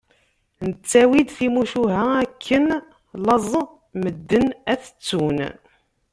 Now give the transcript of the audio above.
Nettawi-d timucuha, akken laẓ medden ad t-ttun.